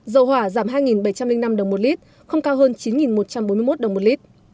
dầu mazub một trăm tám mươi cst ba năm s giảm một bốn mươi tám đồng một kg không cao hơn chín bốn trăm năm mươi ba đồng một lít